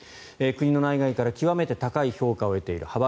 国の内外から極めて高い評価を得ている。